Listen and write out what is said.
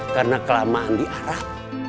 karena kelamaan di arab